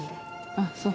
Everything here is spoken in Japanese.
あっそう。